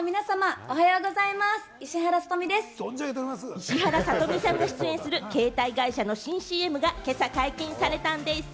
石原さとみさんが出演する携帯会社の新ＣＭが今朝、解禁されたんでぃす。